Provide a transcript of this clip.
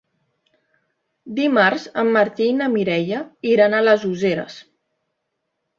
Dimarts en Martí i na Mireia iran a les Useres.